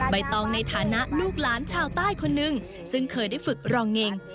ใบตองในฐานะลูกหลานชาวใต้คนนึงซึ่งเคยได้ฝึกรองเง็ง